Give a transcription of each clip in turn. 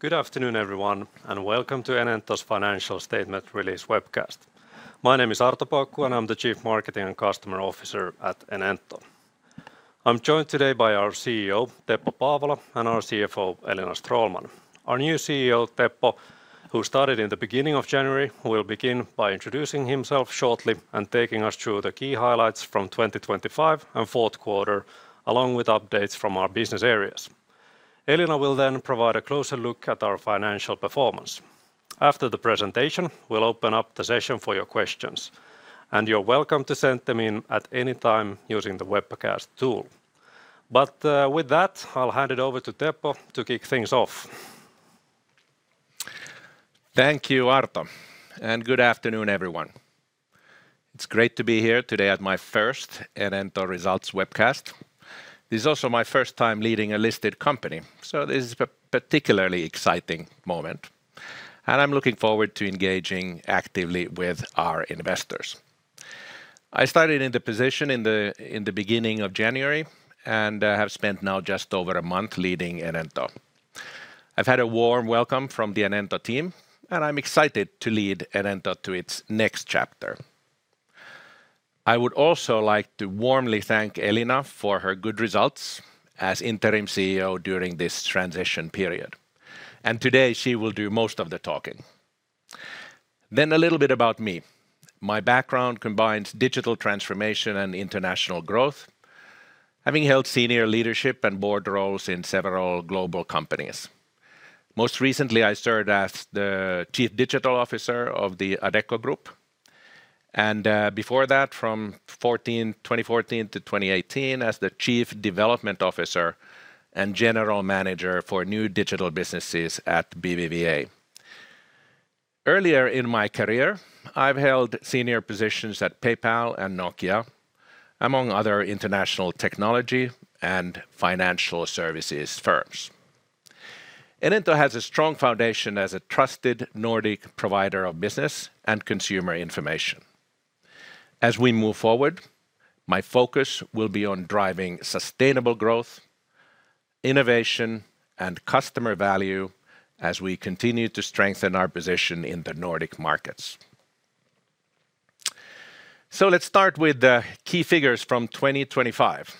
Good afternoon, everyone, and welcome to Enento's financial statement release webcast. My name is Arto Paukku, and I'm the Chief Marketing and Customer Officer at Enento. I'm joined today by our CEO, Teppo Paavola, and our CFO, Elina Stråhlman. Our new CEO, Teppo, who started in the beginning of January, will begin by introducing himself shortly and taking us through the key highlights from 2025 and fourth quarter, along with updates from our business areas. Elina will then provide a closer look at our financial performance. After the presentation, we'll open up the session for your questions, and you're welcome to send them in at any time using the webcast tool. But, with that, I'll hand it over to Teppo to kick things off. Thank you, Arto, and good afternoon, everyone. It's great to be here today at my first Enento results webcast. This is also my first time leading a listed company, so this is a particularly exciting moment, and I'm looking forward to engaging actively with our investors. I started in the position in the beginning of January, and I have spent now just over a month leading Enento. I've had a warm welcome from the Enento team, and I'm excited to lead Enento to its next chapter. I would also like to warmly thank Elina for her good results as interim CEO during this transition period, and today, she will do most of the talking. Then a little bit about me. My background combines digital transformation and international growth, having held senior leadership and board roles in several global companies. Most recently, I served as the Chief Digital Officer of the Adecco Group, and before that, from 2014 to 2018, as the Chief Development Officer and General Manager for new digital businesses at BBVA. Earlier in my career, I've held senior positions at PayPal and Nokia, among other international technology and financial services firms. Enento has a strong foundation as a trusted Nordic provider of business and consumer information. As we move forward, my focus will be on driving sustainable growth, innovation, and customer value as we continue to strengthen our position in the Nordic markets. So let's start with the key figures from 2025.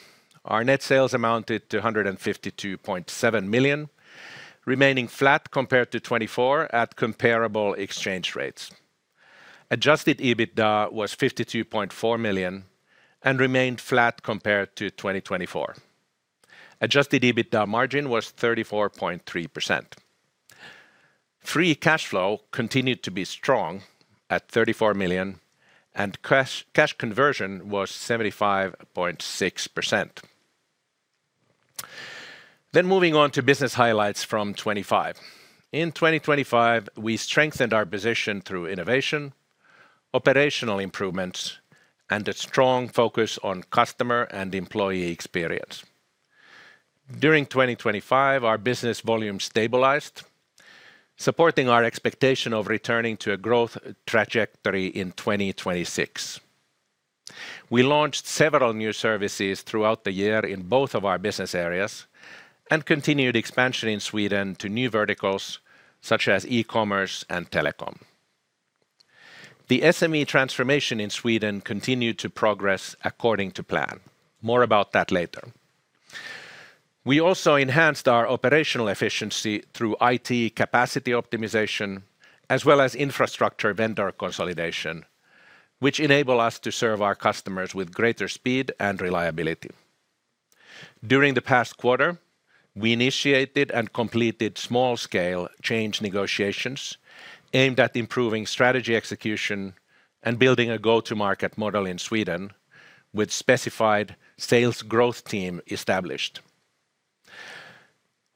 Our net sales amounted to 152.7 million, remaining flat compared to 2024 at comparable exchange rates. Adjusted EBITDA was 52.4 million and remained flat compared to 2024. Adjusted EBITDA margin was 34.3%. Free cash flow continued to be strong at 34 million, and cash conversion was 75.6%. Then moving on to business highlights from 2025. In 2025, we strengthened our position through innovation, operational improvements, and a strong focus on customer and employee experience. During 2025, our business volume stabilized, supporting our expectation of returning to a growth trajectory in 2026. We launched several new services throughout the year in both of our business areas and continued expansion in Sweden to new verticals, such as e-commerce and telecom. The SME transformation in Sweden continued to progress according to plan. More about that later. We also enhanced our operational efficiency through IT capacity optimization, as well as infrastructure vendor consolidation, which enable us to serve our customers with greater speed and reliability. During the past quarter, we initiated and completed small-scale change negotiations aimed at improving strategy execution and building a go-to-market model in Sweden with specified sales growth team established.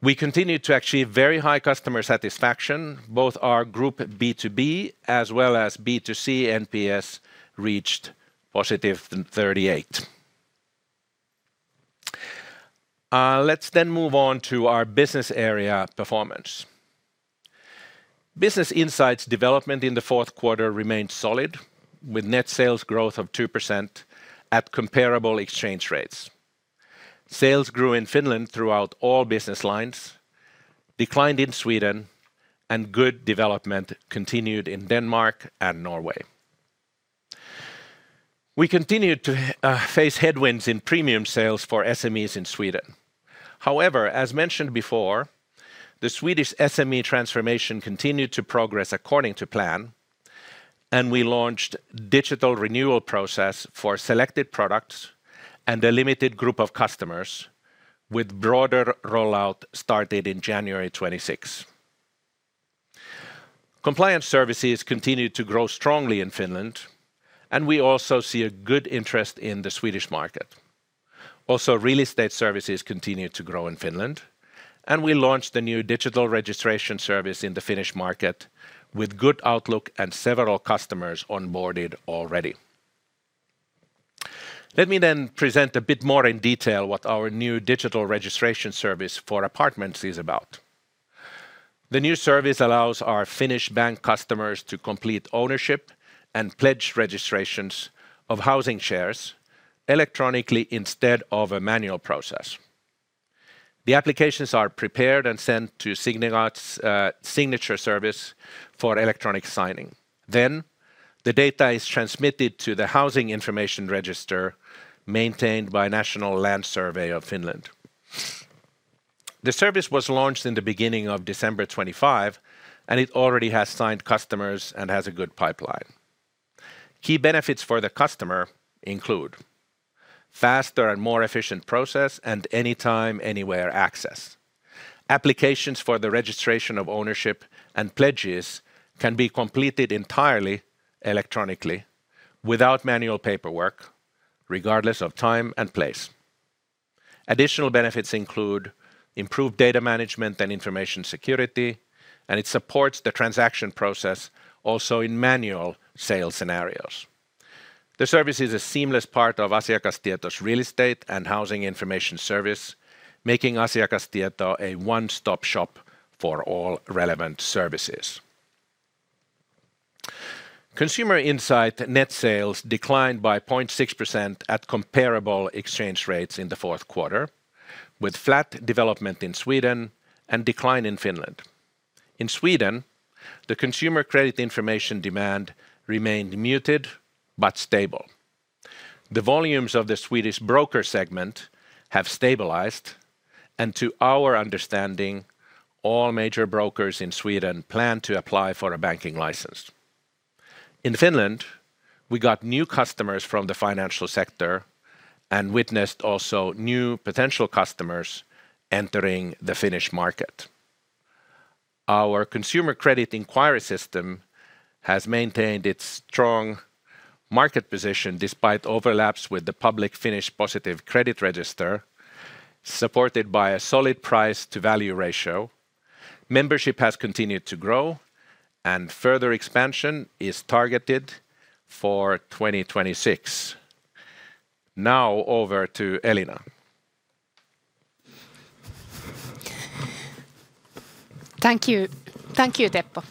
We continued to achieve very high customer satisfaction. Both our group B2B as well as B2C NPS reached +38. Let's then move on to our business area performance. Business Insight development in the fourth quarter remained solid, with net sales growth of 2% at comparable exchange rates. Sales grew in Finland throughout all business lines, declined in Sweden, and good development continued in Denmark and Norway. We continued to face headwinds in premium sales for SMEs in Sweden. However, as mentioned before, the Swedish SME transformation continued to progress according to plan, and we launched digital renewal process for selected products and a limited group of customers, with broader rollout started in January 2026. Compliance services continued to grow strongly in Finland, and we also see a good interest in the Swedish market. Also, real estate services continued to grow in Finland, and we launched the new digital registration service in the Finnish market with good outlook and several customers onboarded already. Let me then present a bit more in detail what our new digital registration service for apartments is about. The new service allows our Finnish bank customers to complete ownership and pledge registrations of housing shares electronically instead of a manual process. The applications are prepared and sent to Signicat's signature service for electronic signing. Then, the data is transmitted to the housing information register maintained by National Land Survey of Finland. The service was launched in the beginning of December 2025, and it already has signed customers and has a good pipeline. Key benefits for the customer include faster and more efficient process, and anytime, anywhere access. Applications for the registration of ownership and pledges can be completed entirely electronically without manual paperwork, regardless of time and place. Additional benefits include improved data management and information security, and it supports the transaction process also in manual sales scenarios. The service is a seamless part of Asiakastieto's real estate and housing information service, making Asiakastieto a one-stop shop for all relevant services. Consumer Insight net sales declined by 0.6% at comparable exchange rates in the fourth quarter, with flat development in Sweden and decline in Finland. In Sweden, the consumer credit information demand remained muted but stable. The volumes of the Swedish broker segment have stabilized, and to our understanding, all major brokers in Sweden plan to apply for a banking license. In Finland, we got new customers from the financial sector and witnessed also new potential customers entering the Finnish market. Our Consumer Credit Inquiry System has maintained its strong market position despite overlaps with the public Finnish Positive Credit Register, supported by a solid price to value ratio. Membership has continued to grow, and further expansion is targeted for 2026. Now, over to Elina. Thank you. Thank you, Teppo.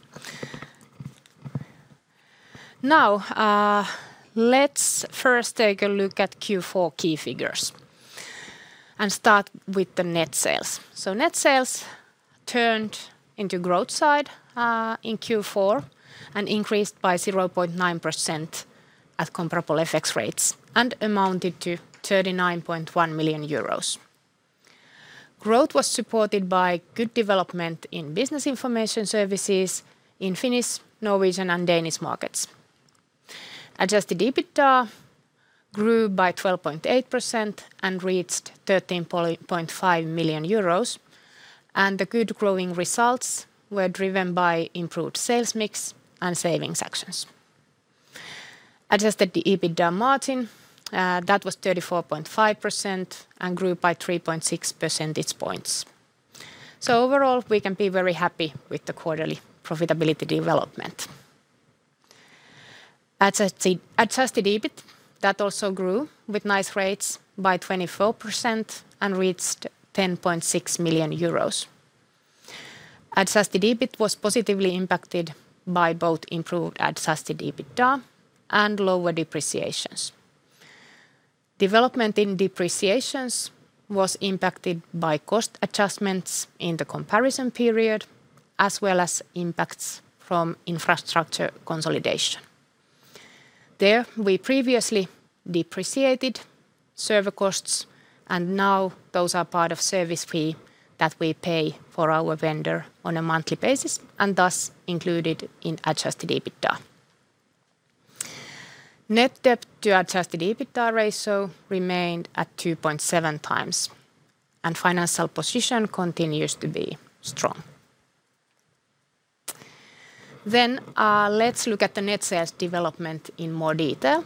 Now, let's first take a look at Q4 key figures, and start with the net sales. So net sales turned into growth side in Q4, and increased by 0.9% at comparable FX rates, and amounted to 39.1 million euros. Growth was supported by good development in business information services in Finnish, Norwegian, and Danish markets. Adjusted EBITDA grew by 12.8% and reached 13.5 million euros, and the good growing results were driven by improved sales mix and savings actions. Adjusted EBITDA margin, that was 34.5% and grew by 3.6 percentage points. So overall, we can be very happy with the quarterly profitability development. Adjusted EBIT, that also grew with nice rates by 24% and reached 10.6 million euros. Adjusted EBIT was positively impacted by both improved adjusted EBITDA and lower depreciations. Development in depreciations was impacted by cost adjustments in the comparison period, as well as impacts from infrastructure consolidation. There, we previously depreciated server costs, and now those are part of service fee that we pay for our vendor on a monthly basis, and thus included in adjusted EBITDA. Net debt to adjusted EBITDA ratio remained at 2.7x, and financial position continues to be strong. Let's look at the net sales development in more detail.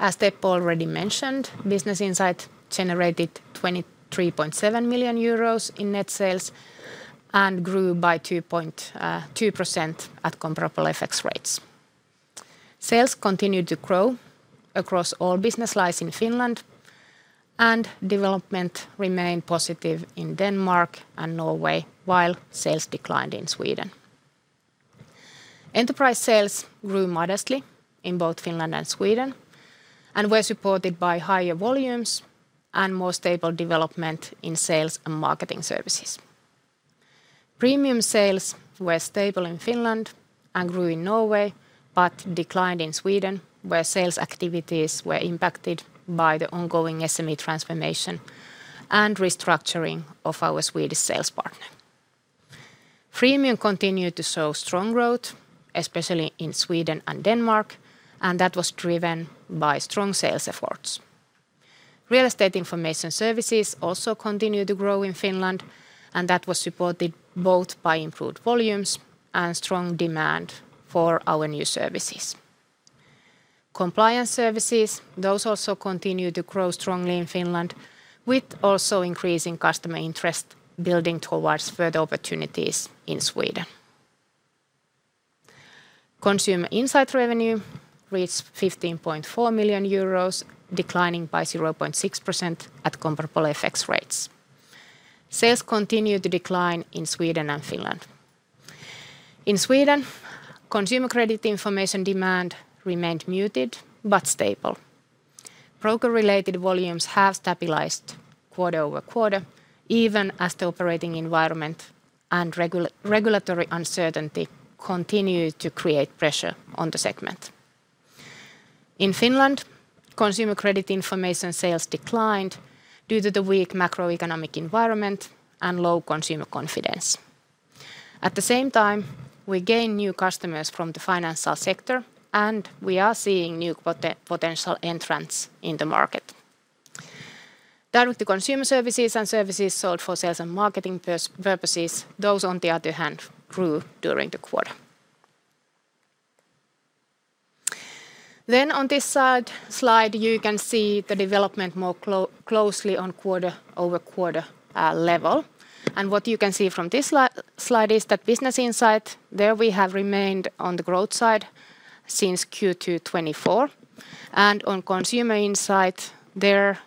As Teppo already mentioned, Business Insight generated 23.7 million euros in net sales and grew by 2.2% at comparable FX rates. Sales continued to grow across all business lines in Finland, and development remained positive in Denmark and Norway, while sales declined in Sweden. Enterprise sales grew modestly in both Finland and Sweden, and were supported by higher volumes and more stable development in sales and marketing services. Premium sales were stable in Finland and grew in Norway, but declined in Sweden, where sales activities were impacted by the ongoing SME transformation and restructuring of our Swedish sales partner. Freemium continued to show strong growth, especially in Sweden and Denmark, and that was driven by strong sales efforts. Real estate information services also continued to grow in Finland, and that was supported both by improved volumes and strong demand for our new services. Compliance services, those also continued to grow strongly in Finland, with also increasing customer interest building towards further opportunities in Sweden. Consumer Insight revenue reached 15.4 million euros, declining by 0.6% at comparable FX rates. Sales continued to decline in Sweden and Finland. In Sweden, consumer credit information demand remained muted but stable. Broker-related volumes have stabilized quarter-over-quarter, even as the operating environment and regulatory uncertainty continue to create pressure on the segment. In Finland, consumer credit information sales declined due to the weak macroeconomic environment and low consumer confidence. At the same time, we gained new customers from the financial sector, and we are seeing new potential entrants in the market. Direct-to-consumer services and services sold for sales and marketing purposes, those on the other hand, grew during the quarter. Then on this side slide, you can see the development more closely on quarter-over-quarter level. What you can see from this slide is that Business Insight, there we have remained on the growth side since Q2 2024, and on Consumer Insight, their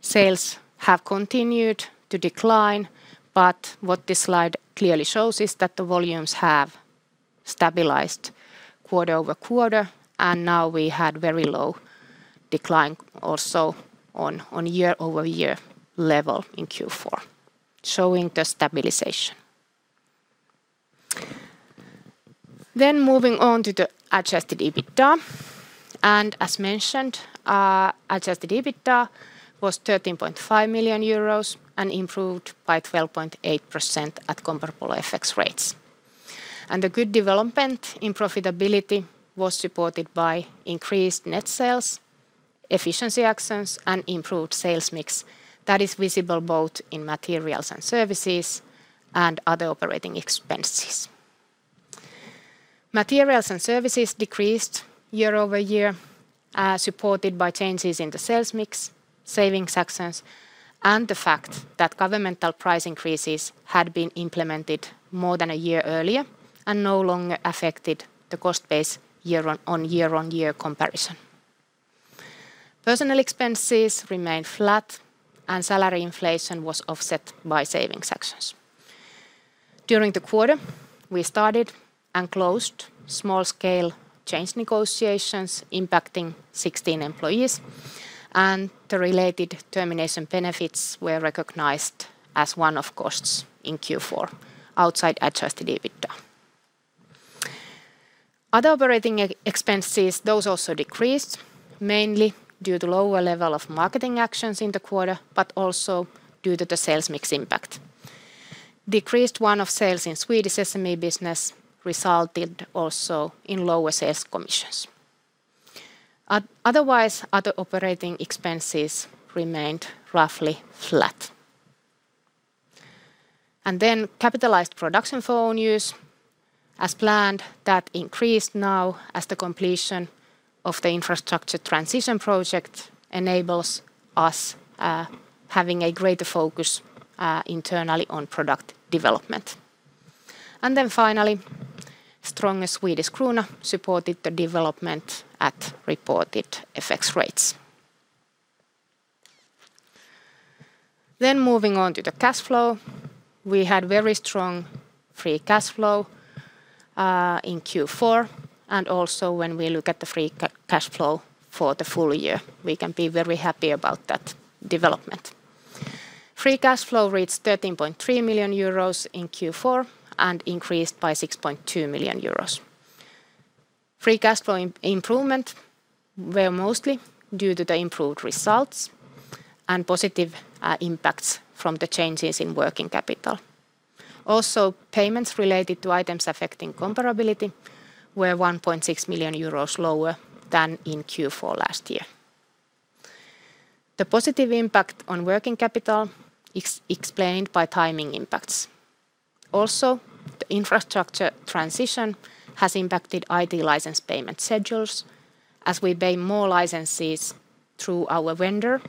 sales have continued to decline, but what this slide clearly shows is that the volumes have stabilized quarter-over-quarter, and now we had very low decline also on year-over-year level in Q4, showing the stabilization. Moving on to the adjusted EBITDA. As mentioned, adjusted EBITDA was 13.5 million euros and improved by 12.8% at comparable FX rates. The good development in profitability was supported by increased net sales, efficiency actions, and improved sales mix that is visible both in materials and services and other operating expenses. Materials and services decreased year-over-year, supported by changes in the sales mix, savings actions, and the fact that governmental price increases had been implemented more than a year earlier and no longer affected the cost base year-on-year comparison. Personnel expenses remained flat, and salary inflation was offset by savings actions. During the quarter, we started and closed small-scale change negotiations impacting 16 employees, and the related termination benefits were recognized as one-off costs in Q4, outside adjusted EBITDA. Other operating expenses also decreased, mainly due to lower level of marketing actions in the quarter, but also due to the sales mix impact. Decreased one-off sales in Swedish SME business resulted also in lower sales commissions. Otherwise, other operating expenses remained roughly flat. Capitalized production for own use, as planned, that increased now as the completion of the infrastructure transition project enables us having a greater focus internally on product development. Finally, stronger Swedish krona supported the development at reported FX rates. Moving on to the cash flow. We had very strong free cash flow in Q4, and also when we look at the free cash flow for the full year, we can be very happy about that development. Free cash flow reached 13.3 million euros in Q4 and increased by 6.2 million euros. Free cash flow improvement were mostly due to the improved results and positive impacts from the changes in working capital. Also, payments related to items affecting comparability were 1.6 million euros lower than in Q4 last year. The positive impact on working capital explained by timing impacts. Also, the infrastructure transition has impacted IT license payment schedules, as we pay more licenses through our vendor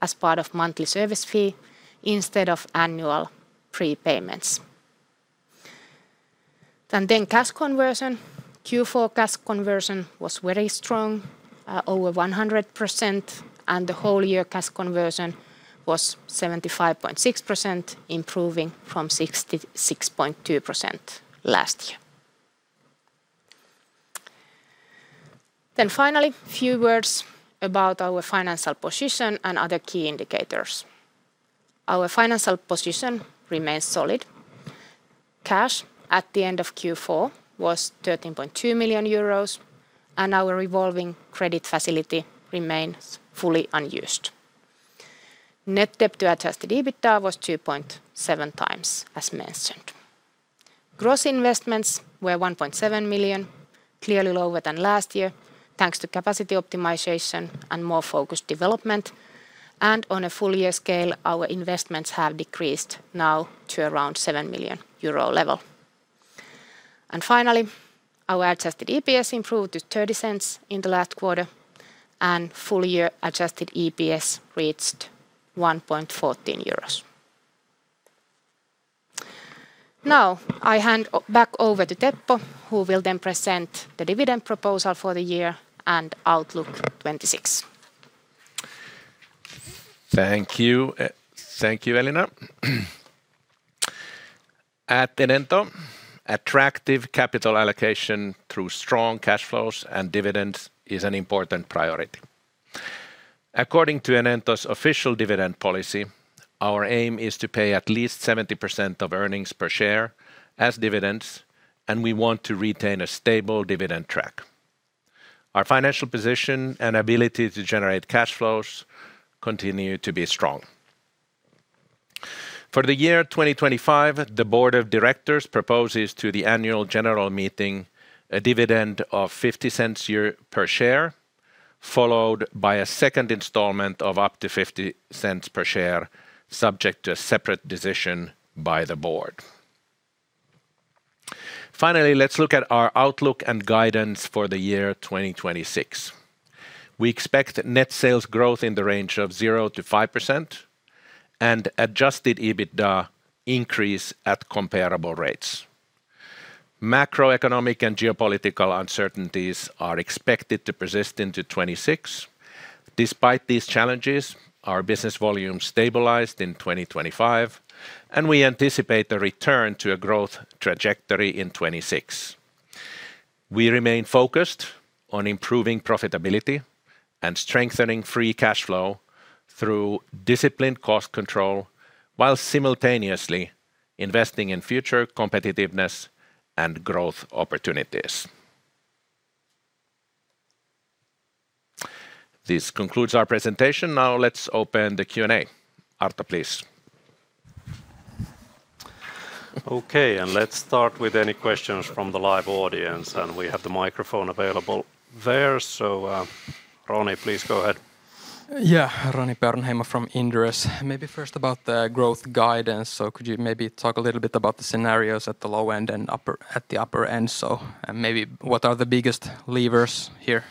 as part of monthly service fee instead of annual prepayments. Then cash conversion. Q4 cash conversion was very strong, over 100%, and the whole year cash conversion was 75.6%, improving from 66.2% last year. Finally, a few words about our financial position and other key indicators. Our financial position remains solid. Cash at the end of Q4 was 13.2 million euros, and our revolving credit facility remains fully unused. Net debt to adjusted EBITDA was 2.7x, as mentioned. Gross investments were 1.7 million, clearly lower than last year, thanks to capacity optimization and more focused development. And on a full year scale, our investments have decreased now to around 7 million euro level. Finally, our adjusted EPS improved to 0.30 in the last quarter, and full year adjusted EPS reached 1.14 euros. Now, I hand back over to Teppo, who will then present the dividend proposal for the year and outlook 2026. Thank you. Thank you, Elina. At Enento, attractive capital allocation through strong cash flows and dividends is an important priority. According to Enento's official dividend policy, our aim is to pay at least 70% of earnings per share as dividends, and we want to retain a stable dividend track. Our financial position and ability to generate cash flows continue to be strong. For the year 2025, the Board of Directors proposes to the annual general meeting a dividend of 0.50 per share, followed by a second installment of up to 0.50 per share, subject to a separate decision by the board. Finally, let's look at our outlook and guidance for the year 2026. We expect net sales growth in the range of 0%-5% and adjusted EBITDA increase at comparable rates. Macroeconomic and geopolitical uncertainties are expected to persist into 2026. Despite these challenges, our business volume stabilized in 2025, and we anticipate a return to a growth trajectory in 2026. We remain focused on improving profitability and strengthening free cash flow through disciplined cost control, while simultaneously investing in future competitiveness and growth opportunities. This concludes our presentation. Now let's open the Q&A. Arto, please. Okay, and let's start with any questions from the live audience, and we have the microphone available there. So, Roni, please go ahead. Yeah, Roni Peuranheimo from Inderes. Maybe first about the growth guidance, so could you maybe talk a little bit about the scenarios at the low end and upper, at the upper end? So, and maybe what are the biggest levers here?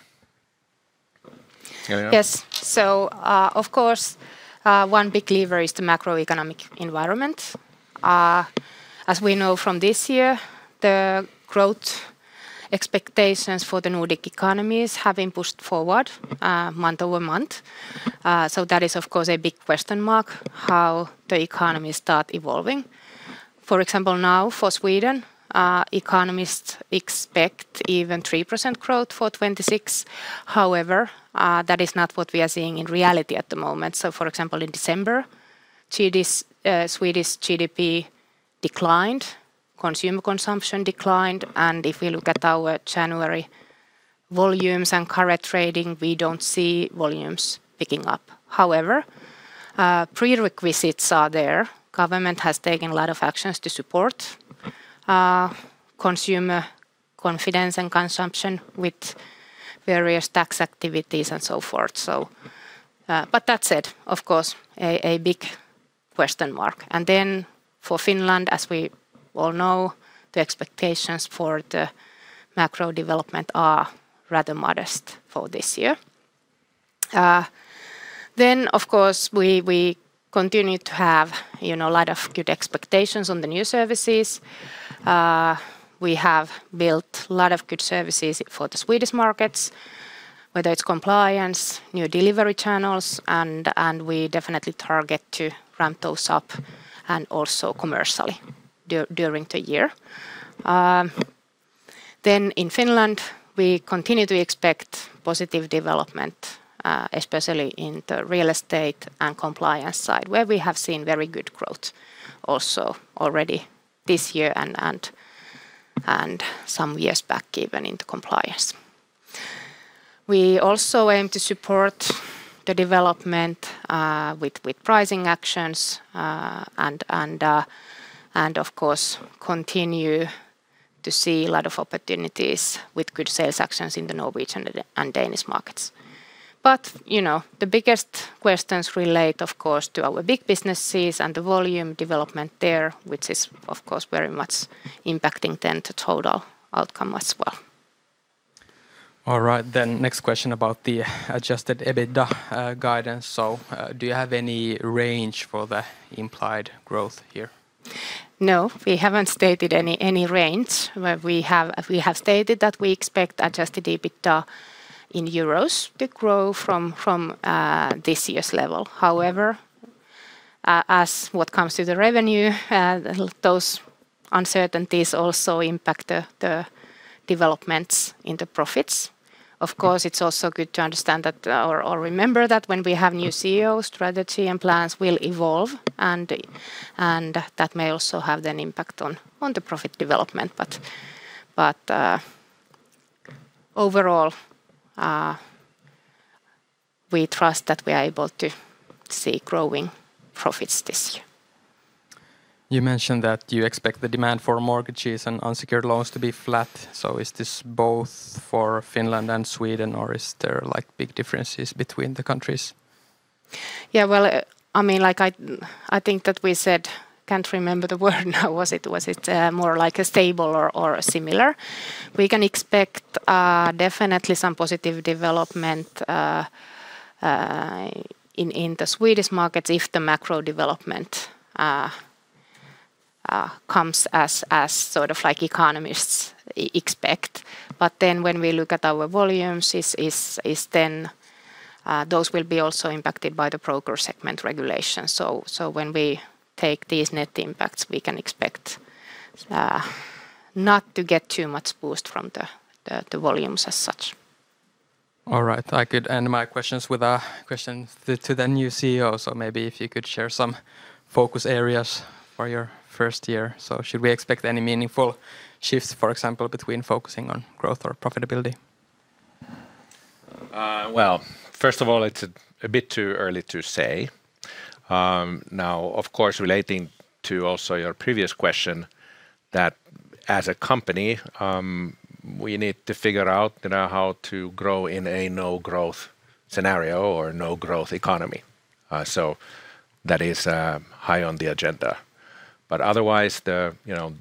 Elina? Yes. So, of course, one big lever is the macroeconomic environment. As we know from this year, the growth expectations for the Nordic economies have been pushed forward, month-over-month. So that is, of course, a big question mark, how the economy start evolving. For example, now, for Sweden, economists expect even 3% growth for 2026. However, that is not what we are seeing in reality at the moment. So for example, in December, Swedish GDP declined, consumer consumption declined, and if we look at our January volumes and current trading, we don't see volumes picking up. However, prerequisites are there. The government has taken a lot of actions to support consumer confidence and consumption with various tax activities and so forth. So, but that said, of course, a big question mark. And then for Finland, as we all know, the expectations for the macro development are rather modest for this year. Then, of course, we continue to have, you know, a lot of good expectations on the new services. We have built a lot of good services for the Swedish markets, whether it's compliance, new delivery channels, and we definitely target to ramp those up and also commercially during the year. Then in Finland, we continue to expect positive development, especially in the real estate and compliance side, where we have seen very good growth also already this year and some years back, even into compliance. We also aim to support the development with pricing actions and of course continue to see a lot of opportunities with good sales actions in the Norwegian and Danish markets. But, you know, the biggest questions relate, of course, to our big businesses and the volume development there, which is, of course, very much impacting then the total outcome as well. All right, then next question about the adjusted EBITDA guidance. So, do you have any range for the implied growth here? No, we haven't stated any range. But we have stated that we expect adjusted EBITDA in euros to grow from this year's level. However, as what comes to the revenue, those uncertainties also impact the developments in the profits. Of course, it's also good to understand that or remember that when we have new CEO, strategy, and plans will evolve, and that may also have an impact on the profit development. But overall, we trust that we are able to see growing profits this year. You mentioned that you expect the demand for mortgages and unsecured loans to be flat. So is this both for Finland and Sweden, or is there, like, big differences between the countries? Yeah, well, I mean, like, I think that we said... Can't remember the word now. Was it more like a stable or similar? We can expect definitely some positive development in the Swedish markets if the macro development comes as sort of like economists expect. But then when we look at our volumes, those will be also impacted by the broker segment regulation. So when we take these net impacts, we can expect not to get too much boost from the volumes as such. All right. I could end my questions with a question to the new CEO. So maybe if you could share some focus areas for your first year. So should we expect any meaningful shifts, for example, between focusing on growth or profitability? Well, first of all, it's a bit too early to say. Now, of course, relating to also your previous question, that as a company, we need to figure out, you know, how to grow in a no-growth scenario or no-growth economy. So that is high on the agenda. But otherwise, you know,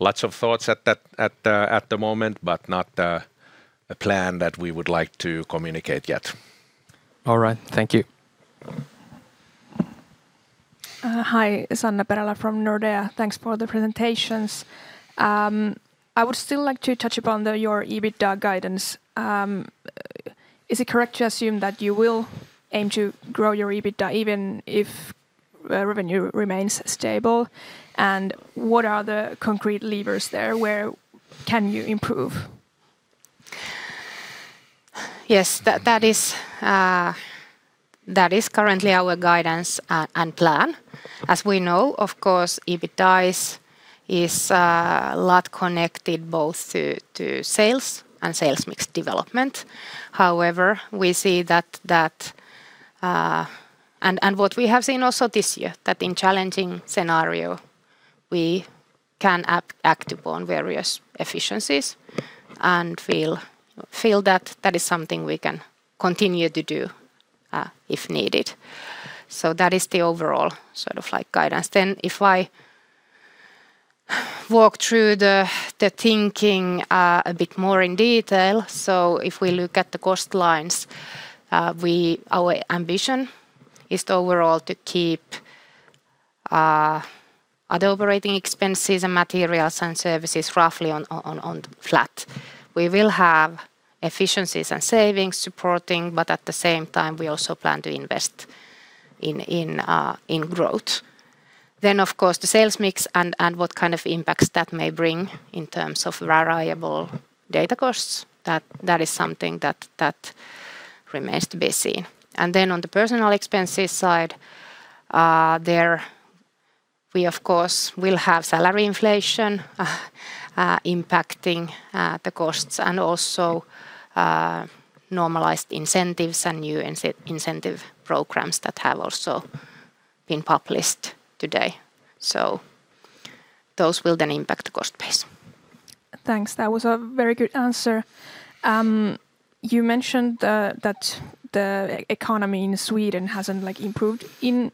lots of thoughts at that... at the moment, but not a plan that we would like to communicate yet. All right. Thank you. Hi, Sanna Perälä from Nordea. Thanks for the presentations. I would still like to touch upon your EBITDA guidance. Is it correct to assume that you will aim to grow your EBITDA even if revenue remains stable? And what are the concrete levers there? Where can you improve? Yes, that is currently our guidance and plan. As we know, of course, EBITDA is a lot connected both to sales and sales mix development. However, we see that. And what we have seen also this year, that in challenging scenario, we can act upon various efficiencies, and we'll feel that that is something we can continue to do, if needed. So that is the overall sort of, like, guidance. Then if I walk through the thinking a bit more in detail, so if we look at the cost lines, our ambition is to overall to keep other operating expenses and materials and services roughly on flat. We will have efficiencies and savings supporting, but at the same time, we also plan to invest in growth. Then, of course, the sales mix and what kind of impacts that may bring in terms of variable data costs, that is something that remains to be seen. And then on the personnel expenses side, there we, of course, will have salary inflation impacting the costs, and also normalized incentives and new incentive programs that have also been published today. So those will then impact cost base. Thanks. That was a very good answer. You mentioned that the economy in Sweden hasn't, like, improved in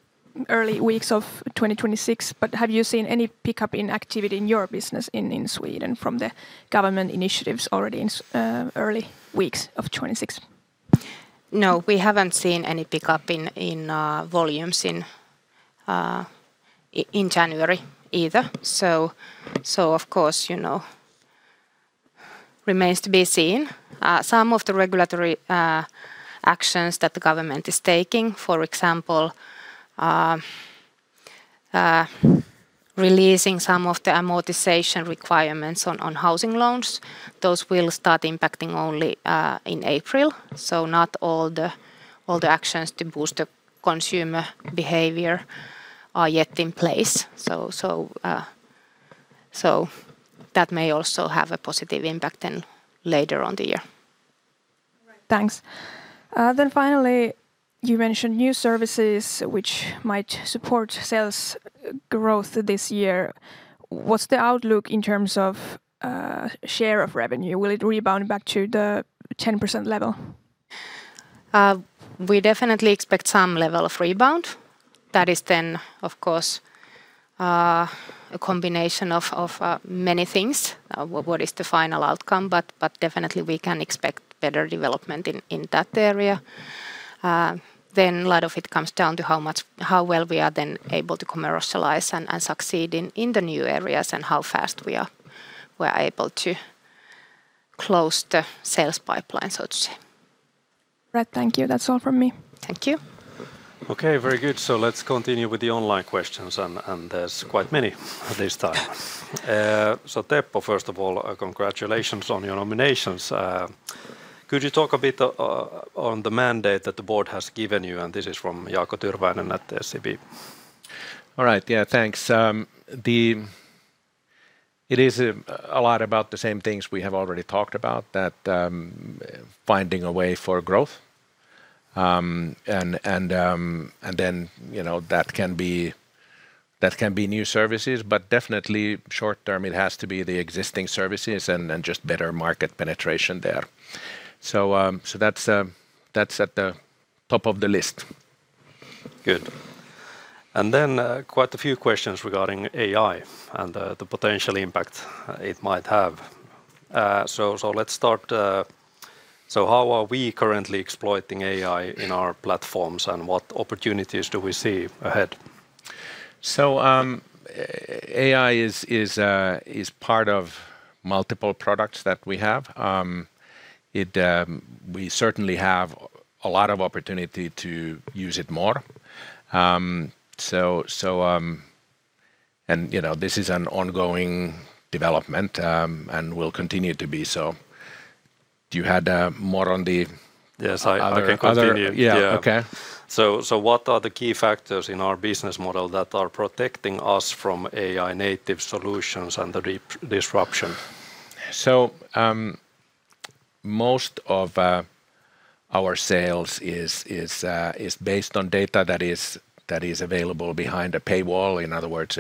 early weeks of 2026, but have you seen any pickup in activity in your business in Sweden from the government initiatives already in early weeks of 2026? No, we haven't seen any pickup in volumes in January either. So of course, you know, remains to be seen. Some of the regulatory actions that the government is taking, for example, releasing some of the amortization requirements on housing loans, those will start impacting only in April. So not all the actions to boost the consumer behavior are yet in place. So that may also have a positive impact then later on the year. Right. Thanks. Then finally, you mentioned new services which might support sales growth this year. What's the outlook in terms of share of revenue? Will it rebound back to the 10% level? We definitely expect some level of rebound. That is then, of course, a combination of many things, what is the final outcome, but definitely we can expect better development in that area. Then a lot of it comes down to how well we are then able to commercialize and succeed in the new areas and how fast we are, we're able to close the sales pipeline, so to say. Right. Thank you. That's all from me. Thank you. Okay, very good. So let's continue with the online questions, and there's quite many this time. So Teppo, first of all, congratulations on your nominations. Could you talk a bit on the mandate that the Board has given you? And this is from Jaakko Tyrväinen at SEB. All right. Yeah, thanks. It is a lot about the same things we have already talked about, that finding a way for growth. And then, you know, that can be new services, but definitely short term it has to be the existing services and just better market penetration there. So that's at the top of the list. Good. And then, quite a few questions regarding AI and the potential impact it might have. So, let's start. So how are we currently exploiting AI in our platforms, and what opportunities do we see ahead? So, AI is part of multiple products that we have. We certainly have a lot of opportunity to use it more. And, you know, this is an ongoing development, and will continue to be so. Do you had more on the- Yes, I- Other, other- I can continue. Yeah. Okay. So, what are the key factors in our business model that are protecting us from AI-native solutions and the re-disruption? So, most of our sales is based on data that is available behind a paywall. In other words,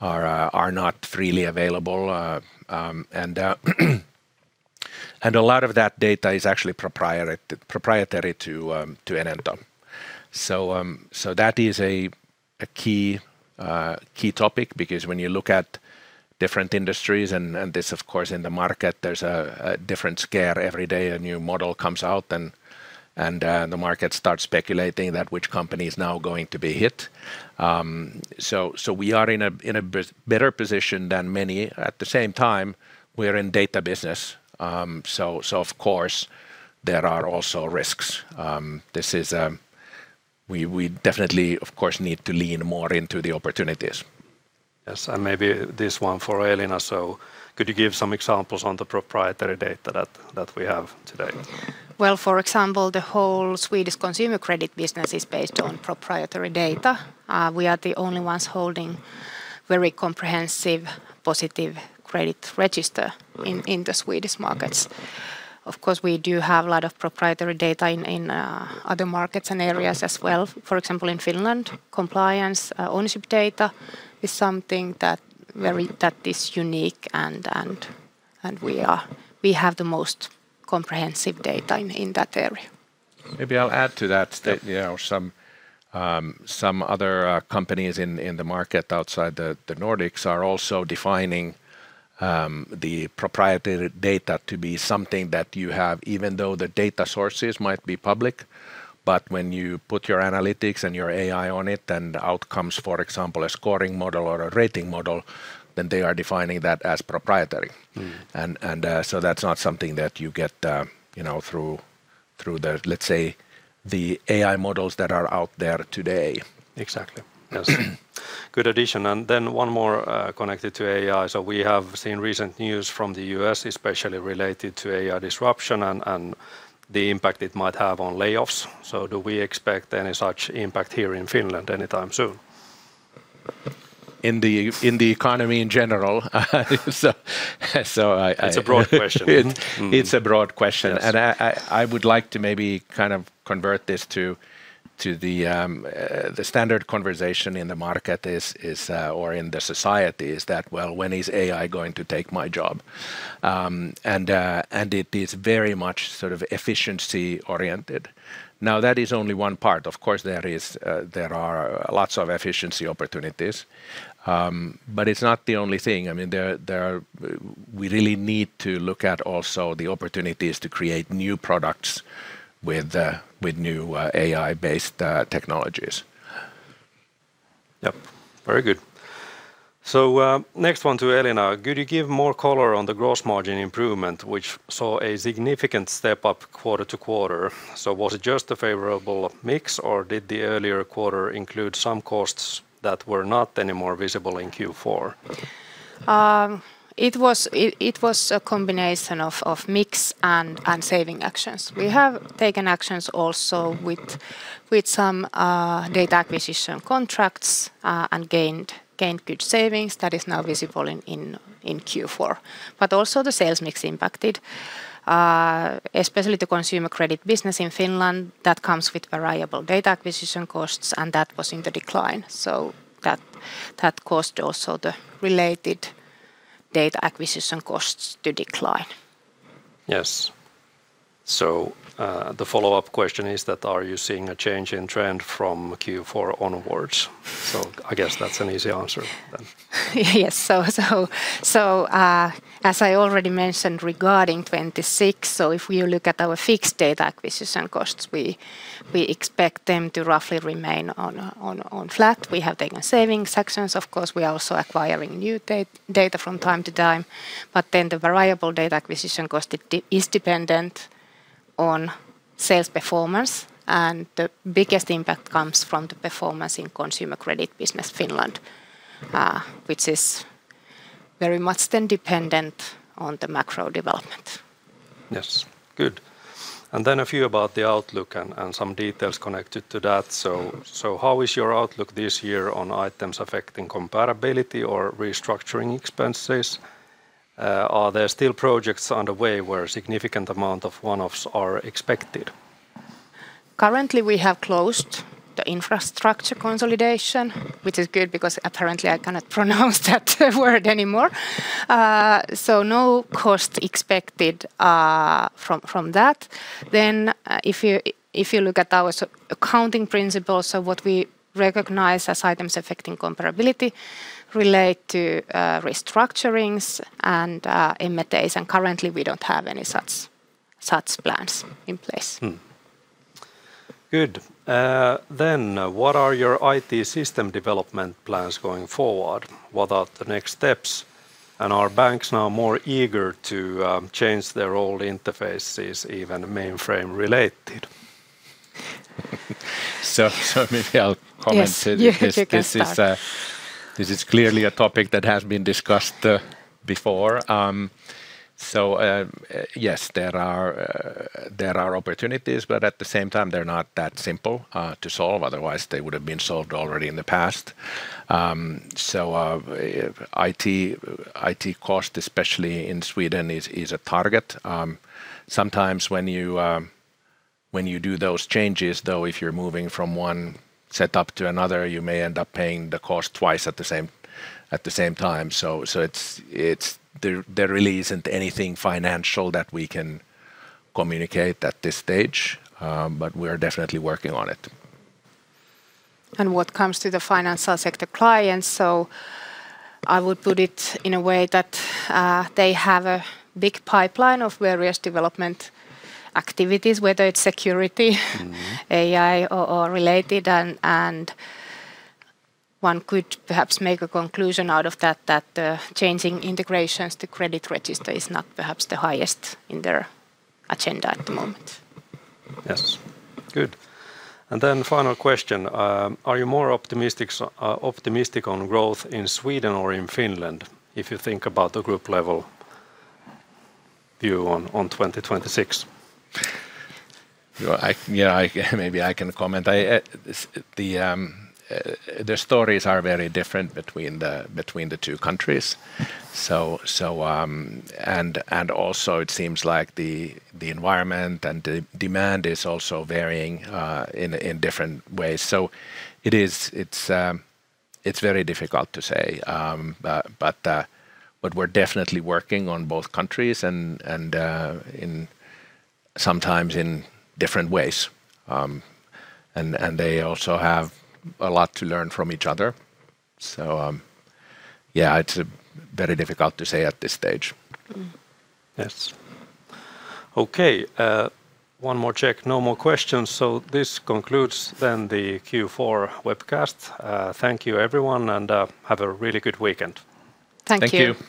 are not freely available. And a lot of that data is actually proprietary to Enento. So, that is a key topic because when you look at different industries, and this, of course, in the market, there's a different scare every day. A new model comes out, and the market starts speculating that which company is now going to be hit. So, we are in a better position than many. At the same time, we're in data business, so of course, there are also risks. This is... We definitely, of course, need to lean more into the opportunities. Yes, and maybe this one for Elina. So could you give some examples on the proprietary data that we have today? Well, for example, the whole Swedish consumer credit business is based on proprietary data. We are the only ones holding very comprehensive positive credit register in the Swedish markets. Of course, we do have a lot of proprietary data in other markets and areas as well. For example, in Finland, compliance ownership data is something that very that is unique and we have the most comprehensive data in that area. Maybe I'll add to that. Yep. Yeah, some other companies in the market outside the Nordics are also defining the proprietary data to be something that you have, even though the data sources might be public. But when you put your analytics and your AI on it, then the outcomes, for example, a scoring model or a rating model, then they are defining that as proprietary. Mm. So that's not something that you get, you know, through, let's say, the AI models that are out there today. Exactly. Yes. Good addition. And then one more, connected to AI. So we have seen recent news from the U.S., especially related to AI disruption and, and the impact it might have on layoffs. So do we expect any such impact here in Finland anytime soon? In the economy in general, so I- It's a broad question. It's a broad question. Yes. I would like to maybe kind of convert this to the standard conversation in the market or in the society is that, well, when is AI going to take my job? And it is very much sort of efficiency-oriented. Now, that is only one part. Of course, there are lots of efficiency opportunities, but it's not the only thing. I mean, there are... We really need to look at also the opportunities to create new products with new AI-based technologies. Yep, very good. So, next one to Elina. Could you give more color on the gross margin improvement, which saw a significant step-up quarter-to-quarter? So was it just a favorable mix, or did the earlier quarter include some costs that were not any more visible in Q4? It was a combination of mix and saving actions. Mm. We have taken actions also with some data acquisition contracts and gained good savings that is now visible in Q4. But also the sales mix impacted especially the consumer credit business in Finland. That comes with variable data acquisition costs, and that was in the decline. So that caused also the related data acquisition costs to decline. Yes. So, the follow-up question is that are you seeing a change in trend from Q4 onwards? So I guess that's an easy answer then. Yes. So, as I already mentioned regarding 2026, so if you look at our fixed data acquisition costs, we expect them to roughly remain on flat. We have taken saving sections. Of course, we are also acquiring new data from time to time. But then the variable data acquisition cost is dependent on sales performance, and the biggest impact comes from the performance in consumer credit business Finland, which is very much then dependent on the macro development. Yes, good. And then a few about the outlook and some details connected to that. Mm. So, how is your outlook this year on items affecting comparability or restructuring expenses? Are there still projects underway where a significant amount of one-offs are expected? Currently, we have closed the infrastructure consolidation, which is good because apparently I cannot pronounce that word anymore. So no cost expected from that. Then if you look at our accounting principles, so what we recognize as items affecting comparability relate to restructurings and M&As, and currently we don't have any such plans in place. Good. Then, what are your IT system development plans going forward? What are the next steps? And are banks now more eager to change their old interfaces, even mainframe related? So, maybe I'll comment- Yes, you can start. This is clearly a topic that has been discussed before. So, yes, there are opportunities, but at the same time, they're not that simple to solve, otherwise they would have been solved already in the past. So, if IT cost, especially in Sweden, is a target. Sometimes when you do those changes, though, if you're moving from one setup to another, you may end up paying the cost twice at the same time. It really isn't anything financial that we can communicate at this stage, but we're definitely working on it. What comes to the financial sector clients, so I would put it in a way that they have a big pipeline of various development activities, whether it's security, Mm-hmm. AI or related, and one could perhaps make a conclusion out of that, that changing integrations to credit register is not perhaps the highest in their agenda at the moment. Mm-hmm. Yes. Good. And then final question: are you more optimistic on growth in Sweden or in Finland, if you think about the group level view on 2026? Well, yeah, I maybe can comment. The stories are very different between the two countries. So, also it seems like the environment and the demand is also varying in different ways. So it is. It's very difficult to say. But we're definitely working on both countries and sometimes in different ways. And they also have a lot to learn from each other. So, yeah, it's very difficult to say at this stage. Mm-hmm. Yes. Okay, one more check. No more questions, so this concludes then the Q4 webcast. Thank you, everyone, and have a really good weekend. Thank you. Thank you.